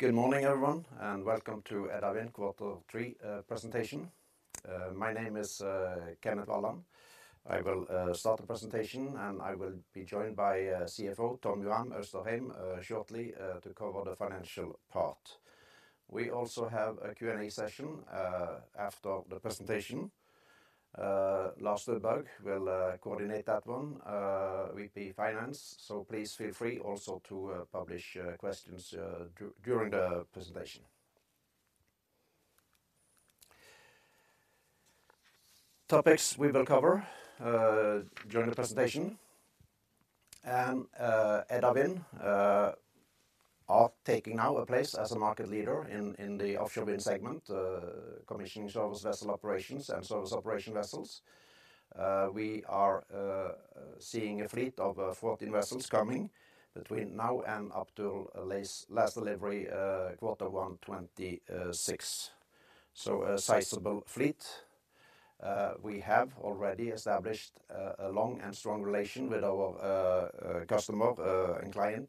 Good morning, everyone, and welcome to Edda Wind Quarter Three presentation. My name is Kenneth Walland. I will start the presentation, and I will be joined by CFO Tom Johan Austrheim shortly to cover the financial part. We also have a Q&A session after the presentation. Lars Stubhaug will coordinate that one, VP Finance. So please feel free also to post questions during the presentation. Topics we will cover during the presentation, and Edda Wind are taking now a place as a market leader in the offshore wind segment, commissioning service vessel operations and service operation vessels. We are seeing a fleet of 14 vessels coming between now and up to last delivery, quarter one 2026. So a sizable fleet. We have already established a long and strong relation with our customer and client,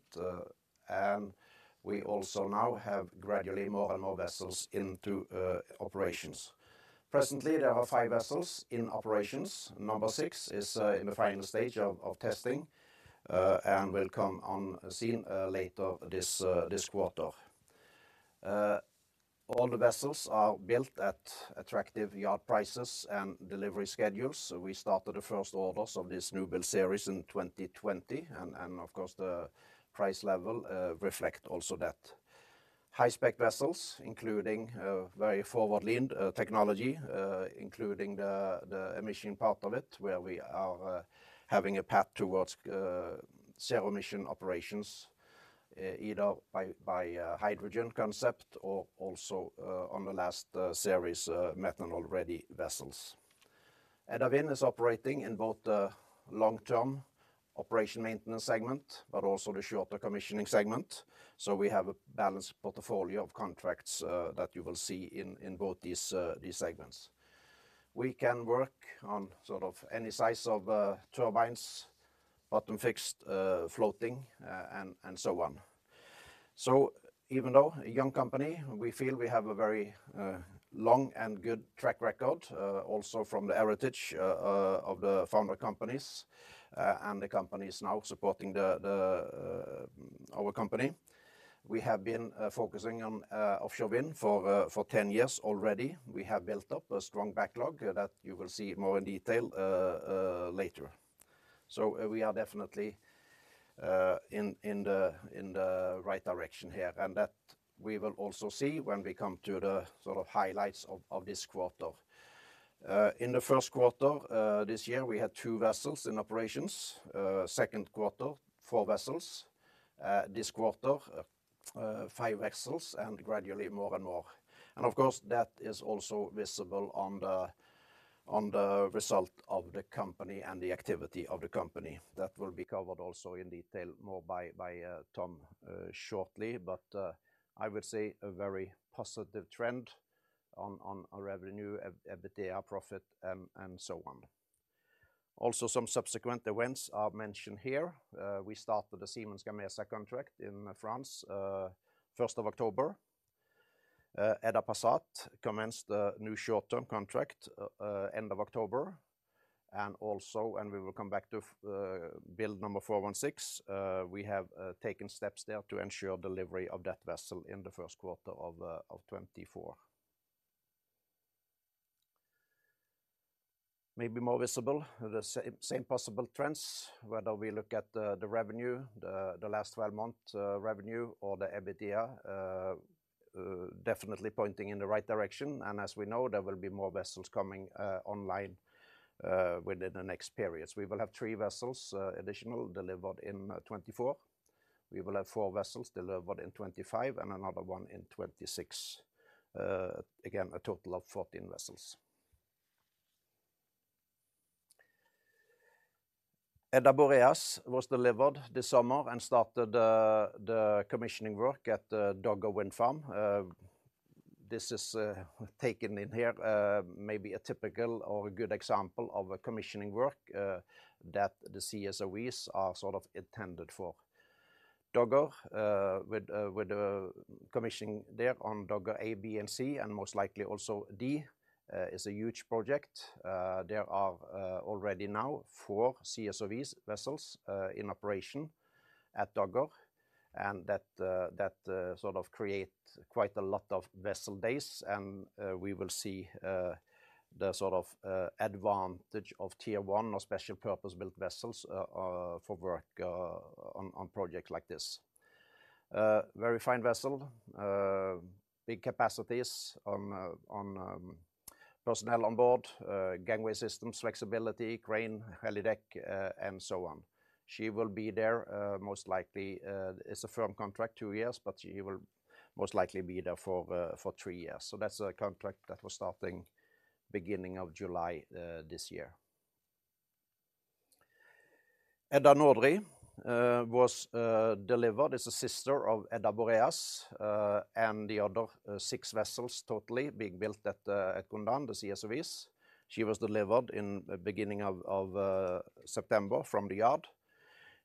and we also now have gradually more and more vessels into operations. Presently, there are five vessels in operations. Number six is in the final stage of testing and will come on scene later this quarter. All the vessels are built at attractive yard prices and delivery schedules. So we started the first orders of this new build series in 2020, and of course, the price level reflect also that. High-spec vessels, including very forward-leaned technology, including the emission part of it, where we are having a path towards zero emission operations, either by hydrogen concept or also on the last series, methanol-ready vessels. Edda Wind is operating in both the long-term operation maintenance segment, but also the shorter commissioning segment. So we have a balanced portfolio of contracts that you will see in both these segments. We can work on sort of any size of turbines, bottom fixed, floating, and so on. So even though a young company, we feel we have a very long and good track record, also from the heritage of the founder companies and the companies now supporting our company. We have been focusing on offshore wind for 10 years already. We have built up a strong backlog that you will see more in detail later. So we are definitely in the right direction here, and that we will also see when we come to the sort of highlights of this quarter. In the first quarter this year, we had two vessels in operations. Second quarter, four vessels. This quarter, five vessels, and gradually more and more. And of course, that is also visible on the result of the company and the activity of the company. That will be covered also in detail more by Tom shortly. But I would say a very positive trend on our revenue, EBITDA, profit, and so on. Also, some subsequent events are mentioned here. We started the Siemens Gamesa contract in France first of October. Edda Passat commenced the new short-term contract end of October. We will come back to build number 416. We have taken steps there to ensure delivery of that vessel in the first quarter of 2024. Maybe more visible, the same possible trends, whether we look at the revenue, the last 12-month revenue or the EBITDA, definitely pointing in the right direction. And as we know, there will be more vessels coming online within the next periods. We will have three vessels, additional, delivered in 2024. We will have four vessels delivered in 2025 and another one in 2026. Again, a total of 14 vessels. Edda Boreas was delivered this summer and started the commissioning work at the Dogger Wind Farm. This is taken in here, maybe a typical or a good example of a commissioning work that the CSOVs are sort of intended for. Dogger, with the commissioning there on Dogger A, B and C, and most likely also D, is a huge project. There are already now four CSOVs vessels in operation at Dogger, and that sort of create quite a lot of vessel days. We will see the sort of advantage of Tier 1 or special purpose-built vessels for work on projects like this. Very fine vessel, big capacities on personnel on board, gangway systems, flexibility, crane, helideck, and so on. She will be there, most likely... It's a firm contract, two years, but she will most likely be there for, for three years. So that's a contract that was starting beginning of July, this year. Edda Nordri was delivered, is a sister of Edda Boreas, and the other six vessels totally being built at the, at Gondán, the CSOVs. She was delivered in the beginning of, of, September from the yard.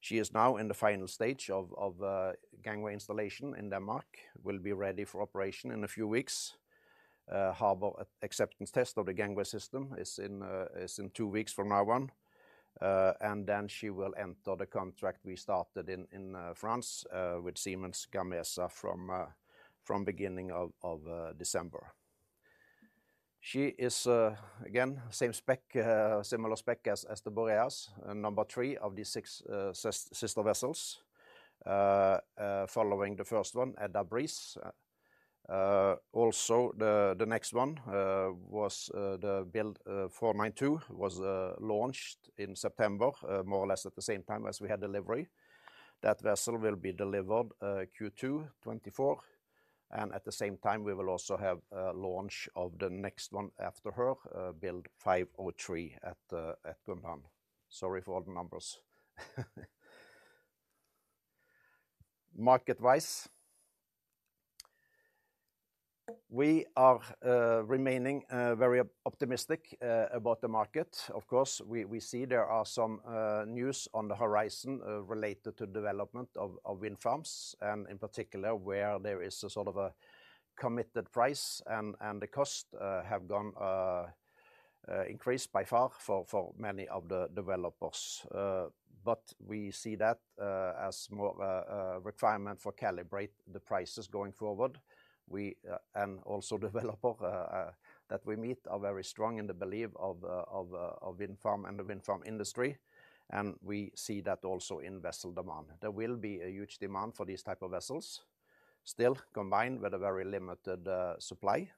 She is now in the final stage of, of, gangway installation in Denmark, will be ready for operation in a few weeks. Harbor acceptance test of the gangway system is in, is in two weeks from now on. And then she will enter the contract we started in, in, France, with Siemens Gamesa from, from beginning of, of, December. She is, again, same spec, similar spec as, as the Boreas, and number three of the six sister vessels. Following the first one, Edda Breeze. Also, the next one was the build 492, was launched in September, more or less at the same time as we had delivery. That vessel will be delivered Q2 2024, and at the same time, we will also have a launch of the next one after her, build 503 at Gondán. Sorry for all the numbers. Market-wise, we are remaining very optimistic about the market. Of course, we see there are some news on the horizon related to development of wind farms, and in particular, where there is a sort of a committed price and the cost have gone increased by far for many of the developers. But we see that as more requirement for calibrate the prices going forward. And also developer that we meet are very strong in the belief of wind farm and the wind farm industry, and we see that also in vessel demand. There will be a huge demand for these type of vessels, still combined with a very limited supply.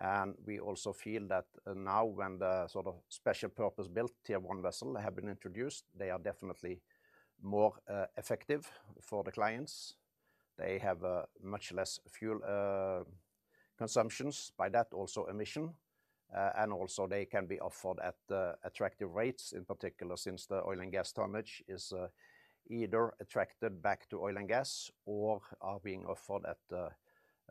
And we also feel that now, when the sort of special purpose-built Tier 1 vessel have been introduced, they are definitely more effective for the clients. They have much less fuel consumption. By that, also emissions. And also they can be offered at attractive rates, in particular, since the oil and gas tonnage is either attracted back to oil and gas or are being offered at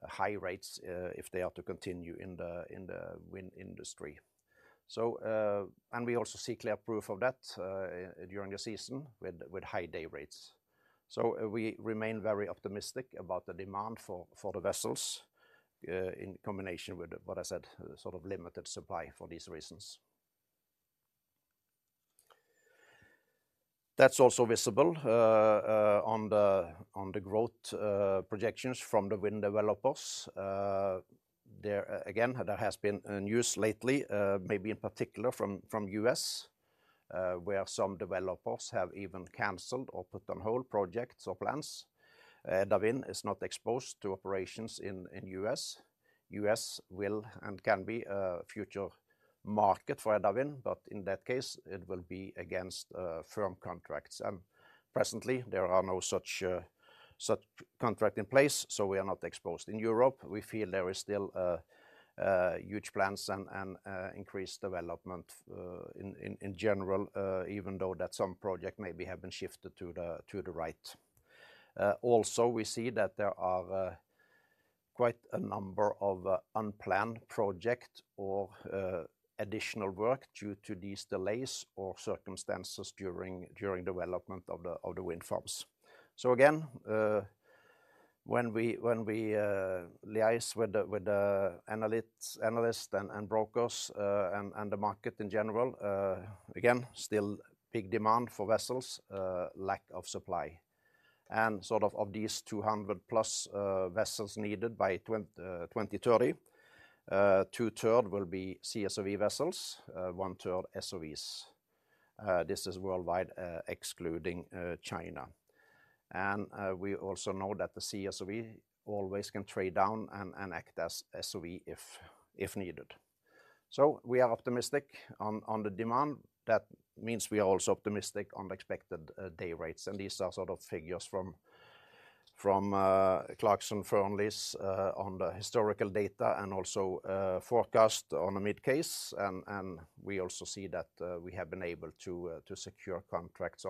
high rates if they are to continue in the wind industry. So, and we also see clear proof of that during the season with high day rates. So we remain very optimistic about the demand for the vessels in combination with what I said, sort of limited supply for these reasons. That's also visible on the growth projections from the wind developers. There again, there has been news lately, maybe in particular from the U.S., where some developers have even canceled or put on hold projects or plans. Edda Wind is not exposed to operations in U.S. U.S. will and can be a future market for Edda Wind, but in that case, it will be against firm contracts. Presently, there are no such contract in place, so we are not exposed. In Europe, we feel there is still huge plans and increased development in general, even though that some project maybe have been shifted to the right. Also, we see that there are quite a number of unplanned project or additional work due to these delays or circumstances during development of the wind farms. So again, when we liaise with the analysts and brokers and the market in general, again, still big demand for vessels, lack of supply. And sort of these 200+ vessels needed by 2030, two-thirds will be CSOV vessels, one-third SOVs. This is worldwide, excluding China. And we also know that the CSOV always can trade down and act as SOV if needed. So we are optimistic on the demand. That means we are also optimistic on the expected day rates, and these are sort of figures from Clarksons/Fearnleys on the historical data and also forecast on a mid case. We also see that we have been able to secure contracts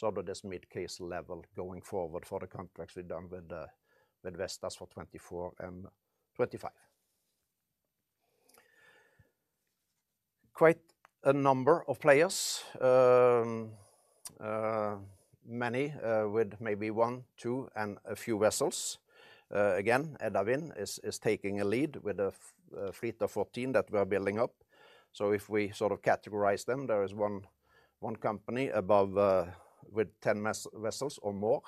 on sort of this mid case level going forward for the contracts we've done with Vestas for 2024 and 2025. Quite a number of players, many, with maybe one, two, and a few vessels. Again, Edda Wind is taking a lead with a fleet of 14 that we are building up. So if we sort of categorize them, there is one company above with 10 vessels or more.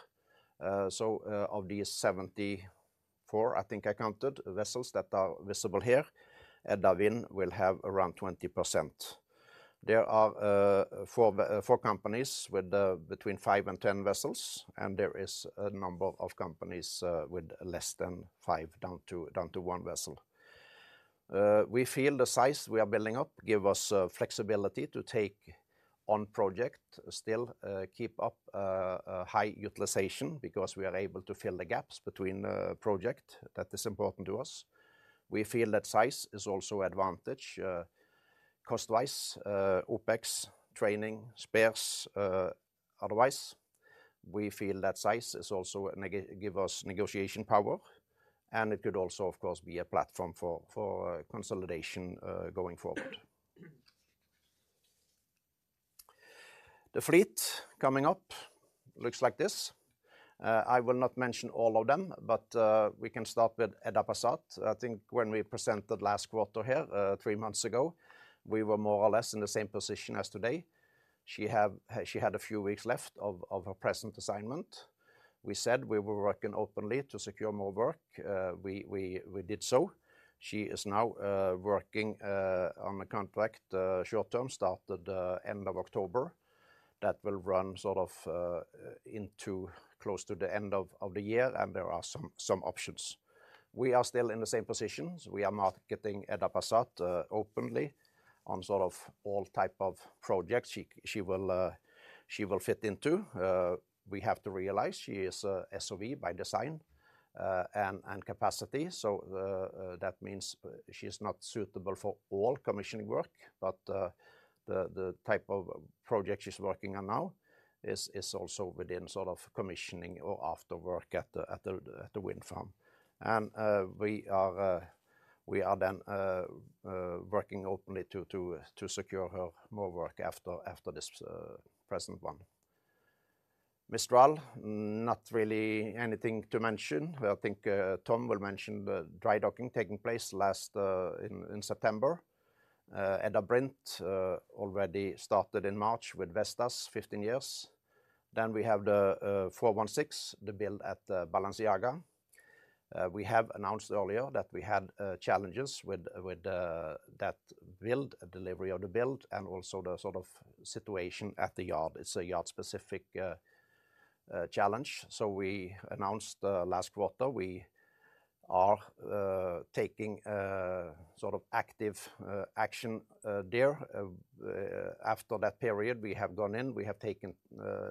So, of these 74, I think I counted, vessels that are visible here, Edda Wind will have around 20%. There are four companies with between five and 10 vessels, and there is a number of companies with less than five, down to one vessel. We feel the size we are building up give us flexibility to take on project, still keep up a high utilization because we are able to fill the gaps between project. That is important to us. We feel that size is also advantage cost-wise, OpEx, training, spares otherwise. We feel that size is also give us negotiation power, and it could also, of course, be a platform for consolidation going forward. The fleet coming up looks like this. I will not mention all of them, but we can start with Edda Passat. I think when we presented last quarter here, three months ago, we were more or less in the same position as today. She had a few weeks left of her present assignment. We said we were working openly to secure more work. We did so. She is now working on a short-term contract started end of October. That will run sort of into close to the end of the year, and there are some options. We are still in the same positions. We are marketing Edda Passat openly on sort of all type of projects she will fit into. We have to realize she is a SOV by design and capacity, so that means she is not suitable for all commissioning work. But the type of project she's working on now is also within sort of commissioning or after work at the wind farm. We are then working openly to secure her more work after this present one. Mistral, not really anything to mention. I think Tom will mention the dry docking taking place last in September. Edda Brint already started in March with Vestas, 15 years. Then we have the 416, the build at Balenciaga. We have announced earlier that we had challenges with that build, delivery of the build, and also the sort of situation at the yard. It's a yard-specific challenge. So we announced last quarter, we are taking sort of active action there. After that period, we have gone in, we have taken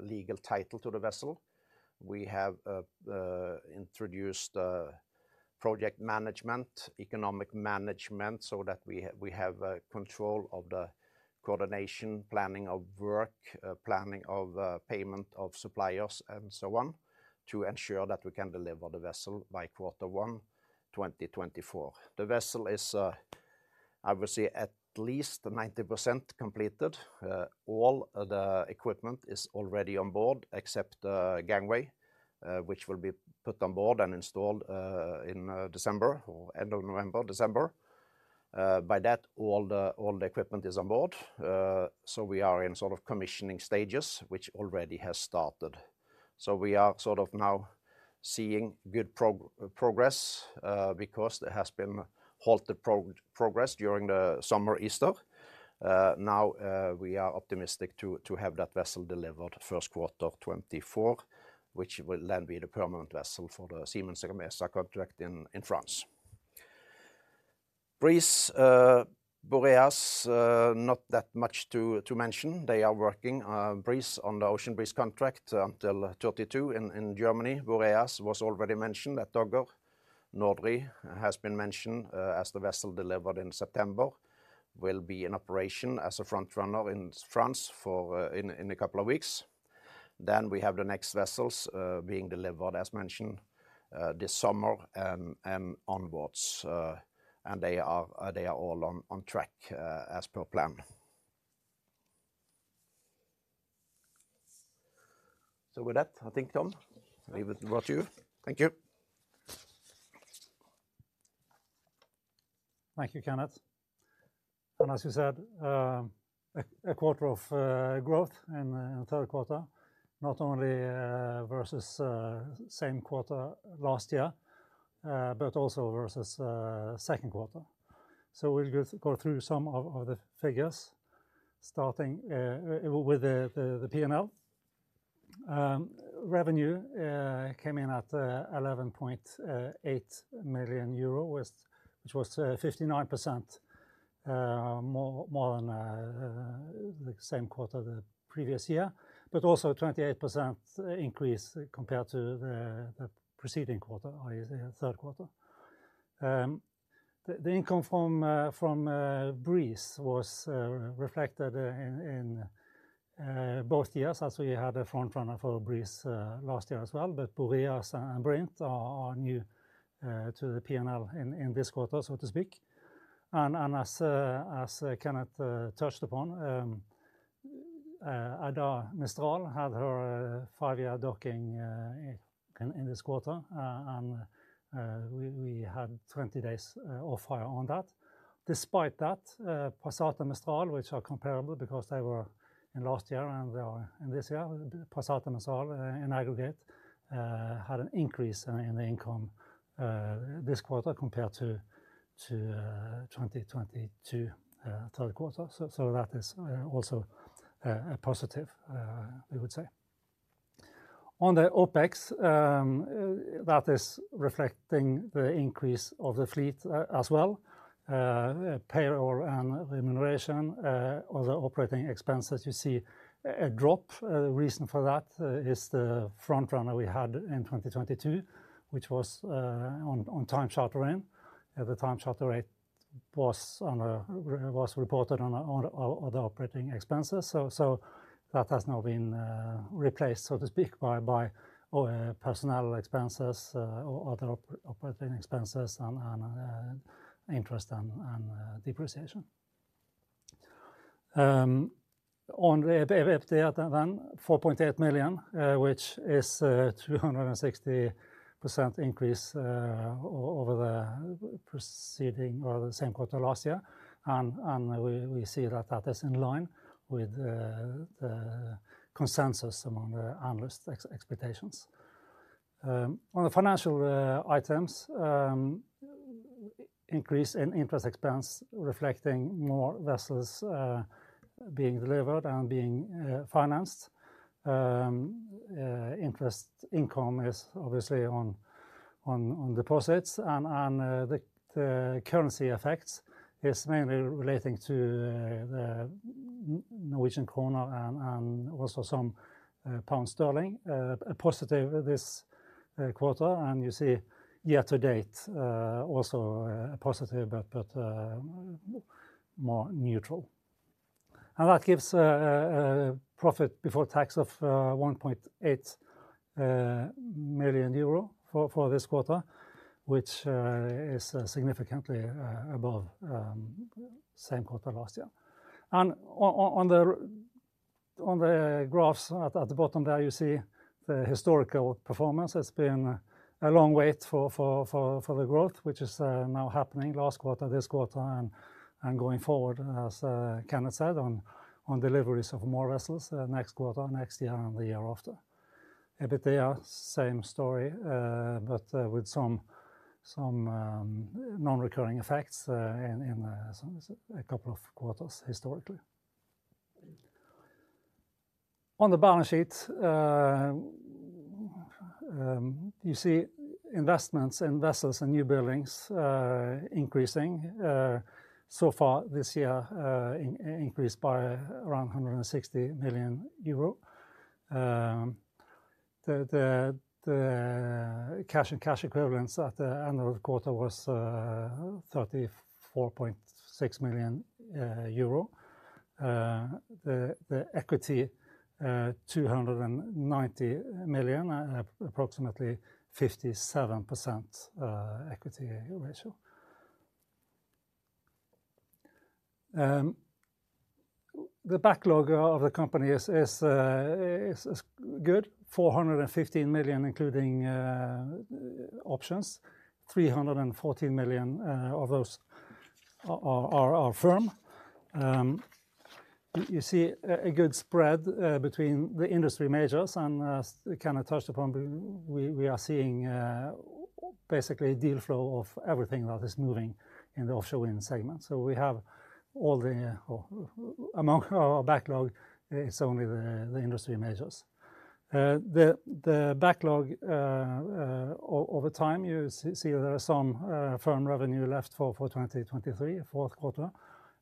legal title to the vessel. We have introduced project management, economic management, so that we have control of the coordination, planning of work, planning of payment of suppliers, and so on, to ensure that we can deliver the vessel by Q1 2024. The vessel is, I would say, at least 90% completed. All the equipment is already on board, except the gangway, which will be put on board and installed in December or end of November, December. By that, all the equipment is on board. So we are in sort of commissioning stages, which already has started. So we are sort of now seeing good progress, because there has been halted progress during the summer, Easter. Now, we are optimistic to have that vessel delivered first quarter 2024, which will then be the permanent vessel for the Siemens Gamesa contract in France. Breeze, Boreas, not that much to mention. They are working, Breeze, on the Ocean Breeze contract until 2032 in Germany. Boreas was already mentioned at Dogger. Nordri has been mentioned as the vessel delivered in September, will be in operation as a front runner in France in a couple of weeks. Then we have the next vessels being delivered, as mentioned, this summer and onwards. And they are all on track as per planned. So with that, I think, Tom, leave it with you. Thank you. Thank you, Kenneth. As you said, a quarter of growth in the third quarter, not only versus same quarter last year, but also versus second quarter. So we'll go through some of the figures, starting with the P&L. Revenue came in at 11.8 million euro, which was 59% more than the same quarter the previous year, but also 28% increase compared to the preceding quarter, i.e., the third quarter. The income from Breeze was reflected in both years, as we had a front runner for Breeze last year as well. But Boreas and Brint are new to the P&L in this quarter, so to speak. As Kenneth touched upon, Edda Mistral had her five-year docking in this quarter. We had 20 days off hire on that. Despite that, Passat and Mistral, which are comparable because they were in last year and they are in this year, Passat and Mistral in aggregate had an increase in the income this quarter compared to 2022 third quarter. So that is also a positive, we would say. On the OpEx, that is reflecting the increase of the fleet as well. Payroll and remuneration, other operating expenses, you see a drop. The reason for that is the front runner we had in 2022, which was on time charter in. At the time charter rate was reported on the operating expenses. So that has now been replaced, so to speak, by personnel expenses or other operating expenses and interest and depreciation. On the EBITDA, then 4.8 million, which is a 260% increase over the preceding or the same quarter last year. And we see that that is in line with the consensus among the analyst expectations. On the financial items, increase in interest expense, reflecting more vessels being delivered and being financed. Interest income is obviously on deposits and the currency effects is mainly relating to the Norwegian kroner and also some pound sterling. A positive EBIT this quarter, and you see year to date also a positive, but more neutral. And that gives a profit before tax of 1.8 million euro for this quarter, which is significantly above same quarter last year. On the graphs at the bottom there, you see the historical performance. It's been a long wait for the growth, which is now happening last quarter, this quarter, and going forward, as Kenneth said, on deliveries of more vessels next quarter, next year, and the year after. EBITDA, same story, but with some non-recurring effects in a couple of quarters historically. On the balance sheet, you see investments in vessels and new buildings, increasing. So far this year, increased by around 160 million euro. The cash and cash equivalents at the end of the quarter was 34.6 million euro. The equity 290 million, and approximately 57% equity ratio. The backlog of the company is good. 415 million, including options. 314 million of those are firm. You see a good spread between the industry majors and, kind of touched upon, we are seeing basically deal flow of everything that is moving in the offshore wind segment. So we have all the among our backlog, it's only the industry majors. The backlog over time, you see there are some firm revenue left for 2023, fourth quarter,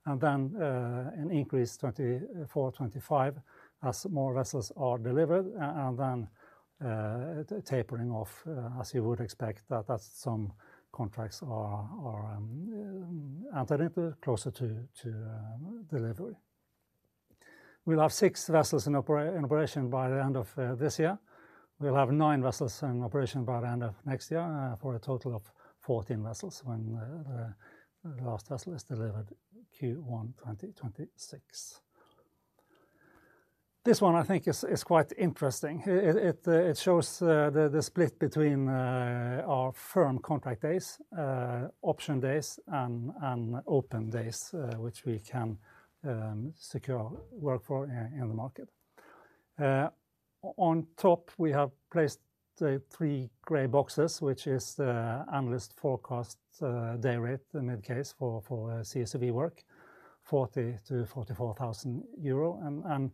and then an increase 2024, 2025, as more vessels are delivered and then a tapering off as you would expect, that some contracts are entered into closer to delivery. We'll have six vessels in operation by the end of this year. We'll have nine vessels in operation by the end of next year for a total of 14 vessels when the last vessel is delivered, Q1 2026. This one I think is quite interesting. It shows the split between our firm contract days, option days, and open days, which we can secure work for in the market. On top, we have placed the three gray boxes, which is the analyst forecast day rate, the mid case for CSOV work, 40,000-44,000 euro.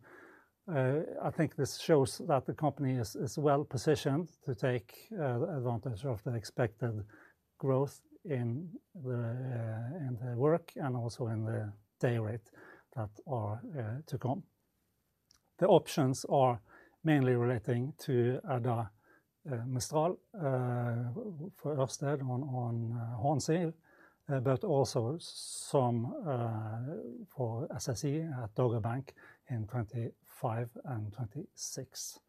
I think this shows that the company is well positioned to take advantage of the expected growth in the work and also in the day rate that are to come. The options are mainly relating to Edda Mistral for Ørsted on Hornsea, but also some for SSE at Dogger Bank in 2025 and 2026.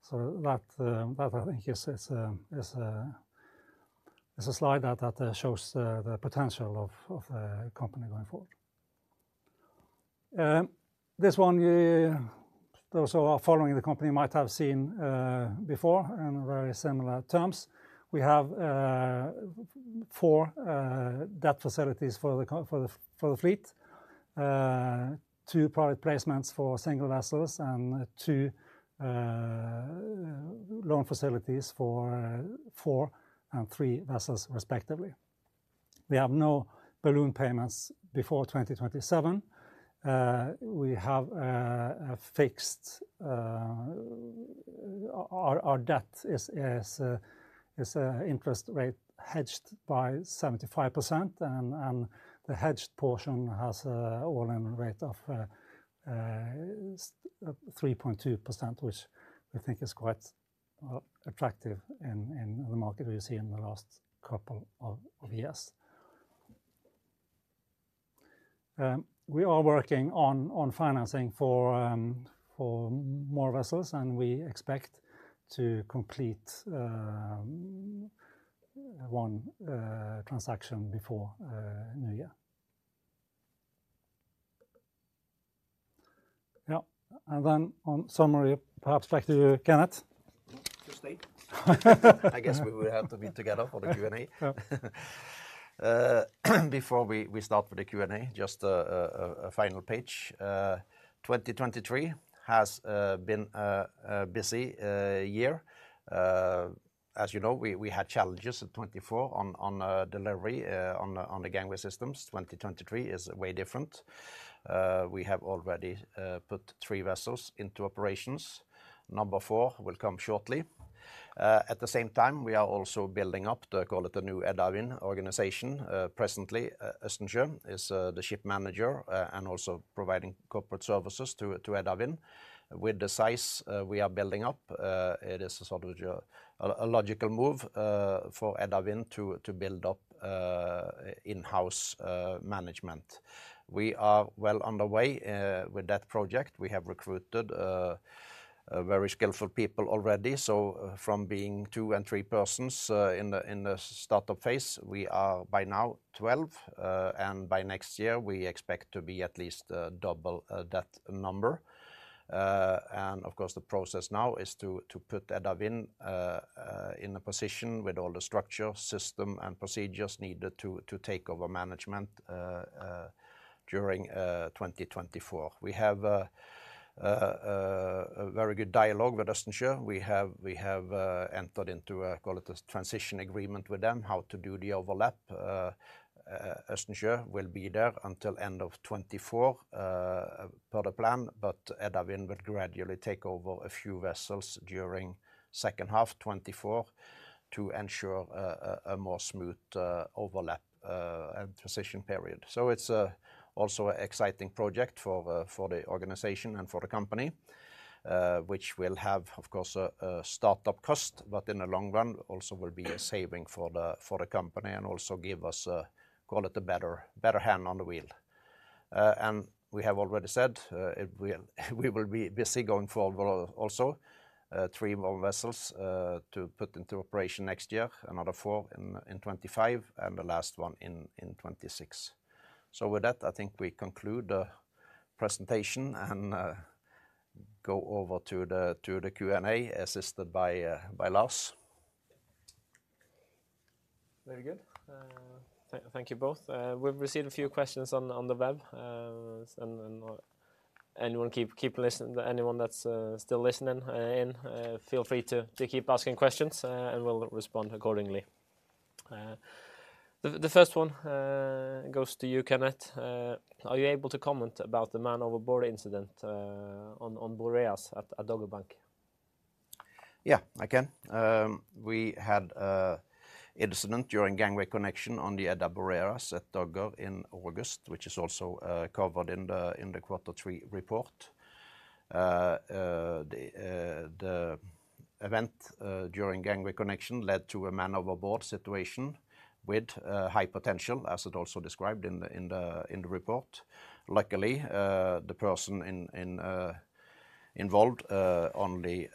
So that I think is a slide that shows the potential of the company going forward. This one, those who are following the company might have seen before in very similar terms. We have four debt facilities for the fleet, two private placements for single vessels, and two loan facilities for four and three vessels, respectively. We have no balloon payments before 2027. We have a fixed... Our debt is interest rate hedged by 75%, and the hedged portion has a all-in rate of 3.2%, which I think is quite attractive in the market we see in the last couple of years.... we are working on financing for more vessels, and we expect to complete one transaction before New Year. Yeah, and then on summary, perhaps back to you, Kenneth. Just stay. I guess we will have to be together for the Q&A. Yeah. Before we start with the Q&A, just a final page. 2023 has been a busy year. As you know, we had challenges at 2024 on delivery on the gangway systems. 2023 is way different. We have already put three vessels into operations. Number four will come shortly. At the same time, we are also building up the, call it, the new Edda Wind organization. Presently, Østensjø is the ship manager and also providing corporate services to Edda Wind. With the size we are building up, it is sort of a logical move for Edda Wind to build up in-house management. We are well underway with that project. We have recruited very skillful people already. So, from being two and three persons in the startup phase, we are by now 12, and by next year, we expect to be at least double that number. And of course, the process now is to put Edda Wind in a position with all the structure, system, and procedures needed to take over management during 2024. We have a very good dialogue with Østensjø. We have entered into a, call it, a transition agreement with them, how to do the overlap. Østensjø will be there until end of 2024, per the plan, but Edda Wind will gradually take over a few vessels during second half 2024, to ensure a more smooth overlap and transition period. So it's also an exciting project for the organization and for the company, which will have, of course, a startup cost, but in the long run, also will be a saving for the company, and also give us a, call it, a better hand on the wheel. And we have already said, we will be busy going forward also, three more vessels to put into operation next year, another four in 2025, and the last one in 2026. So with that, I think we conclude the presentation and go over to the Q&A, assisted by Lars. Very good. Thank you both. We've received a few questions on the web, and then anyone keeping listening—anyone that's still listening, feel free to keep asking questions, and we'll respond accordingly. The first one goes to you, Kenneth. Are you able to comment about the man overboard incident on Boreas at Dogger Bank? Yeah, I can. We had an incident during gangway connection on the Edda Boreas at Dogger in August, which is also covered in the quarter three report. The event during gangway connection led to a man overboard situation with high potential, as it also described in the report. Luckily, the person involved only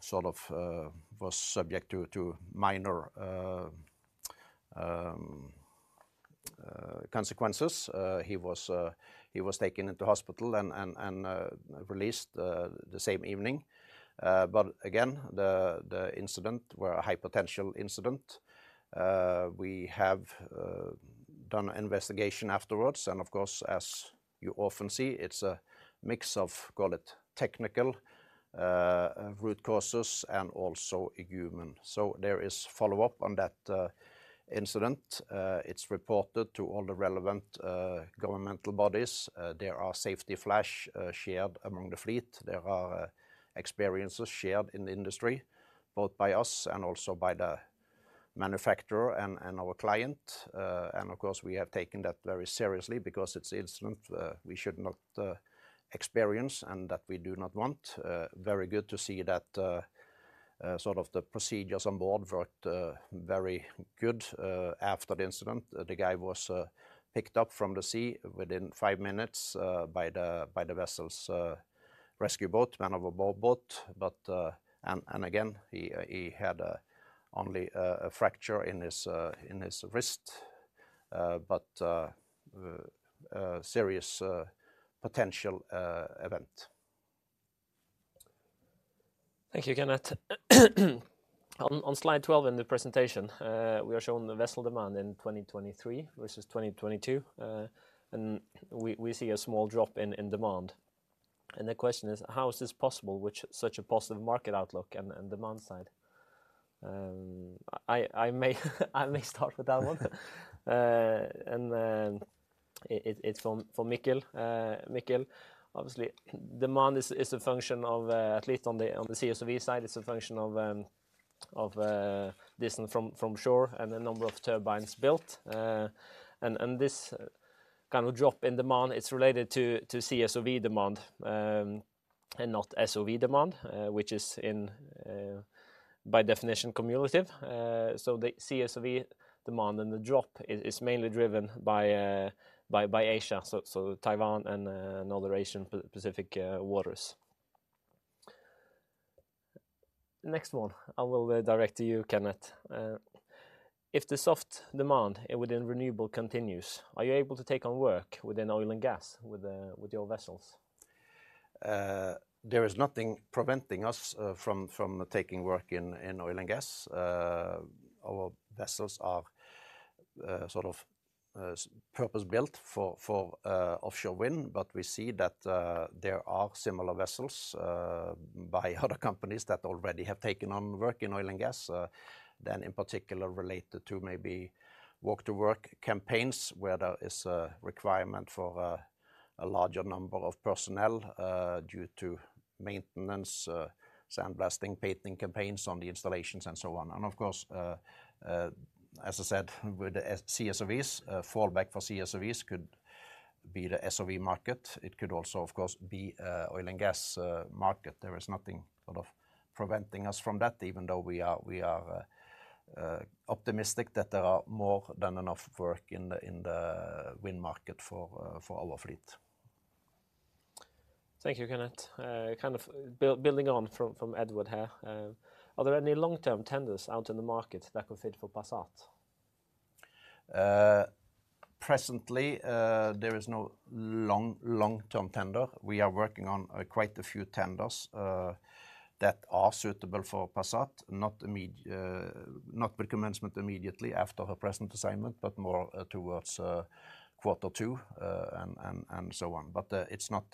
sort of was subject to minor consequences. He was taken into hospital and released the same evening. But again, the incident were a high potential incident. We have done an investigation afterwards, and of course, as you often see, it's a mix of, call it, technical root causes and also a human. So there is follow-up on that incident. It's reported to all the relevant governmental bodies. There are safety flash shared among the fleet. There are experiences shared in the industry, both by us and also by the manufacturer and our client. And of course, we have taken that very seriously because it's an incident we should not experience and that we do not want. Very good to see that sort of the procedures on board worked very good after the incident. The guy was picked up from the sea within five minutes by the vessel's rescue boat, man overboard boat. But... And again, he had only a fracture in his wrist, but a serious potential event. Thank you, Kenneth. On slide 12 in the presentation, we are shown the vessel demand in 2023 versus 2022, and we see a small drop in demand. The question is: How is this possible with such a positive market outlook and demand side? I may start with that one. It's from Mikkel. Mikkel, obviously, demand is a function of, at least on the CSOV side, it's a function of distance from shore and the number of turbines built. And this kind of drop in demand, it's related to CSOV demand.... and not SOV demand, which is in, by definition cumulative. So the CSOV demand and the drop is mainly driven by, by Asia, so Taiwan and other Asian Pacific waters. Next one I will direct to you, Kenneth. If the soft demand within renewable continues, are you able to take on work within oil and gas with your vessels? There is nothing preventing us from taking work in oil and gas. Our vessels are sort of purpose-built for offshore wind, but we see that there are similar vessels by other companies that already have taken on work in oil and gas. Then in particular, related to maybe work-to-work campaigns, where there is a requirement for a larger number of personnel due to maintenance, sandblasting, painting campaigns on the installations, and so on. And of course, as I said, with the CSOVs, fallback for CSOVs could be the SOV market. It could also, of course, be oil and gas market. There is nothing sort of preventing us from that, even though we are optimistic that there are more than enough work in the wind market for our fleet. Thank you, Kenneth. Kind of building on from Edward here, are there any long-term tenders out in the market that could fit for Passat? Presently, there is no long-term tender. We are working on quite a few tenders that are suitable for Passat, not with commencement immediately after her present assignment, but more towards quarter two, and so on. But it's not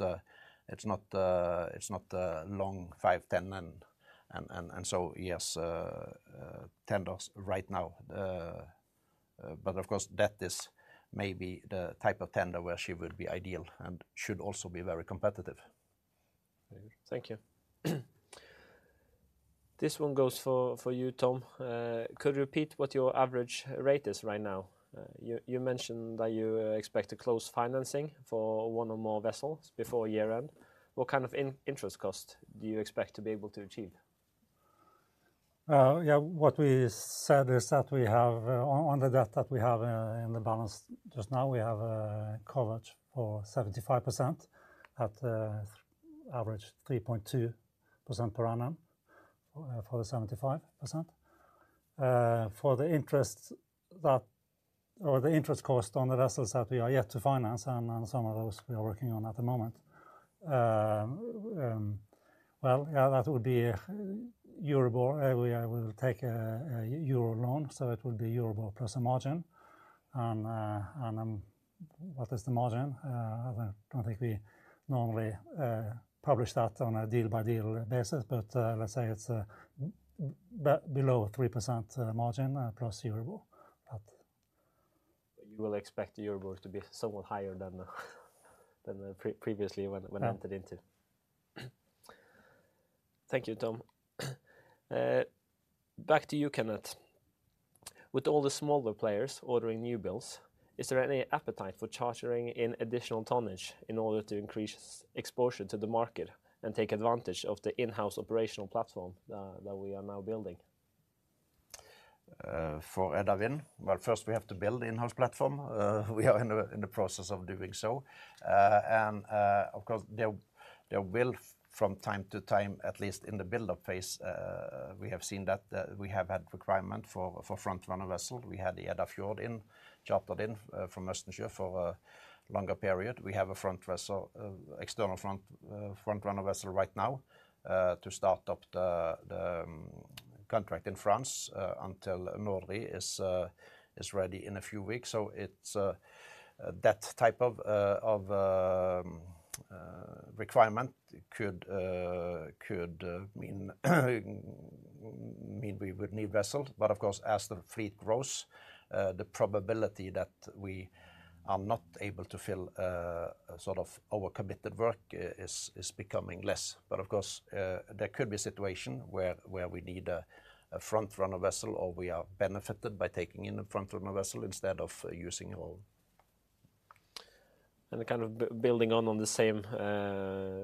a long five, 10, and so yes, tenders right now, but of course, that is maybe the type of tender where she would be ideal and should also be very competitive. Thank you. This one goes for you, Tom. Could you repeat what your average rate is right now? You mentioned that you expect to close financing for one or more vessels before year-end. What kind of interest cost do you expect to be able to achieve? Yeah, what we said is that we have, on the debt that we have, in the balance just now, we have a coverage for 75% at average 3.2% per annum, for the 75%. For the interest cost on the vessels that we are yet to finance and some of those we are working on at the moment. Well, yeah, that would be Euribor. We will take a Euro loan, so it would be Euribor plus a margin. And what is the margin? I don't think we normally publish that on a deal-by-deal basis, but let's say it's below 3%, margin, plus Euribor, but- You will expect Euribor to be somewhat higher than previously when entered into. Yeah. Thank you, Tom. Back to you, Kenneth. With all the smaller players ordering new builds, is there any appetite for chartering in additional tonnage in order to increase exposure to the market and take advantage of the in-house operational platform that we are now building? For Edda Wind, well, first we have to build the in-house platform. We are in the process of doing so. Of course, there will from time to time, at least in the build-up phase, we have seen that we have had requirement for front-runner vessel. We had the Edda Fjord chartered in from Østensjø for a longer period. We have a front vessel, external front, front-runner vessel right now to start up the contract in France until Nordri is ready in a few weeks. So it's that type of requirement could mean we would need vessels. But of course, as the fleet grows, the probability that we are not able to fill sort of our committed work is becoming less. But of course, there could be a situation where we need a front-runner vessel, or we are benefited by taking in a front-runner vessel instead of using our own. Kind of building on the same,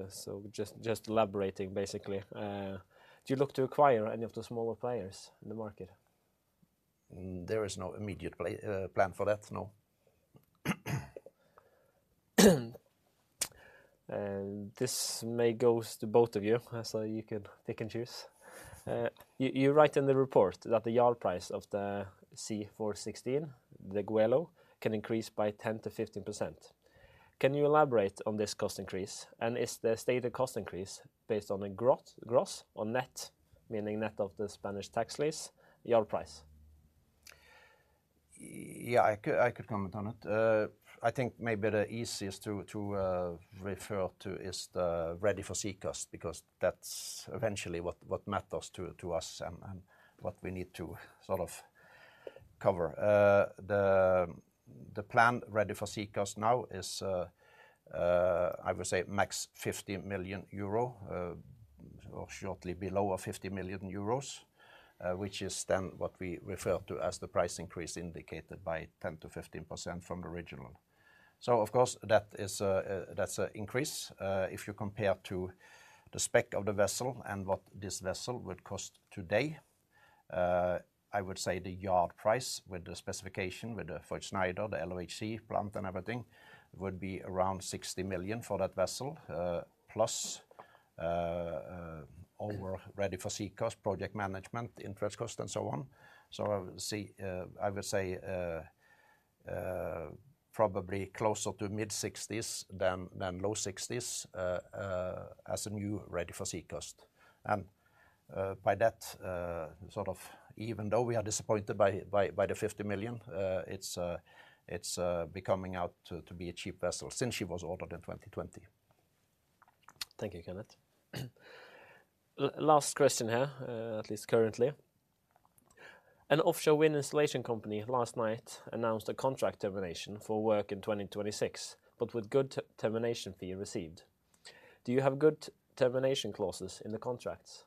so just elaborating, basically, do you look to acquire any of the smaller players in the market? There is no immediate plan for that, no. This may goes to both of you, so you can pick and choose. You write in the report that the yard price of the C416, the Goelo, can increase by 10%-15%. Can you elaborate on this cost increase, and is the stated cost increase based on a gross or net, meaning net of the Spanish tax lease, yard price? Yeah, I could, I could comment on it. I think maybe the easiest to, to, refer to is the ready for sea cost, because that's eventually what, what matters to, to us and, and what we need to sort of cover. The, the plan ready for sea cost now is, I would say max 50 million euro, or shortly below 50 million euros, which is then what we refer to as the price increase indicated by 10%-15% from the original. So of course, that is, that's a increase. If you compare to the spec of the vessel and what this vessel would cost today, I would say the yard price with the specification, with the-- Voith Schneider, the LOHC plant and everything, would be around 60 million for that vessel. Plus, over ready-for-sea cost, project management, interest cost, and so on. So see, I would say, probably closer to mid-60s than low 60s, as a new ready for sea cost. And, by that, sort of even though we are disappointed by the 50 million, it's becoming out to be a cheap vessel since she was ordered in 2020. Thank you, Kenneth. Last question here, at least currently. "An offshore wind installation company last night announced a contract termination for work in 2026, but with good termination fee received. Do you have good termination clauses in the contracts?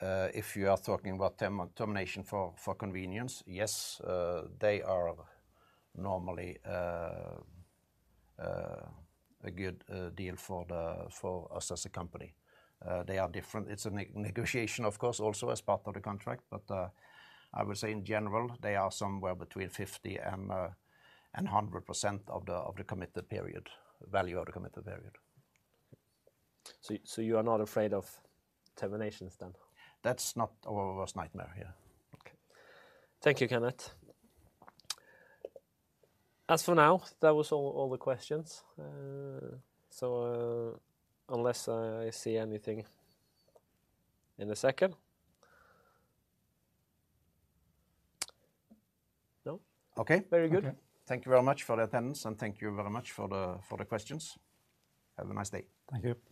If you are talking about termination for convenience, yes, they are normally a good deal for us as a company. They are different. It's a negotiation, of course, also as part of the contract, but I would say in general, they are somewhere between 50 and 100% of the committed period value of the committed period. So, you are not afraid of terminations then? That's not our worst nightmare, yeah. Okay. Thank you, Kenneth. As for now, that was all, all the questions. So, unless I see anything in a second. No? Okay. Very good. Okay. Thank you very much for the attendance, and thank you very much for the, for the questions. Have a nice day. Thank you.